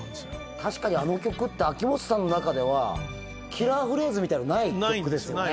確かにあの曲って秋元さんの中ではキラーフレーズみたいなのない曲ですよね